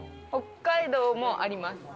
北海道にもあります。